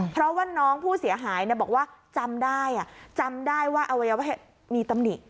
เพราะว่าน้องผู้เสียหายบอกว่าจำได้จำได้ว่าอวัยวะเพศมีตำหนิ